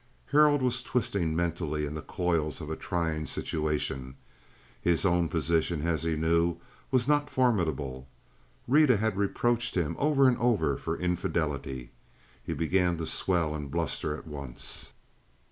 Harold was twisting mentally in the coils of a trying situation. His own position, as he knew, was not formidable. Rita had reproached him over and over for infidelity. He began to swell and bluster at once.